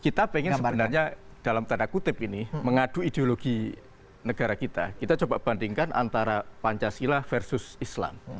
kita pengen sebenarnya dalam tanda kutip ini mengadu ideologi negara kita kita coba bandingkan antara pancasila versus islam